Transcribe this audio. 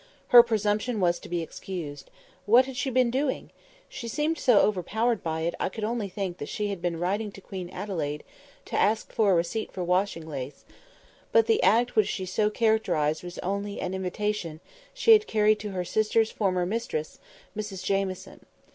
"Her presumption" was to be excused. What had she been doing? She seemed so overpowered by it I could only think that she had been writing to Queen Adelaide to ask for a receipt for washing lace; but the act which she so characterised was only an invitation she had carried to her sister's former mistress, Mrs Jamieson.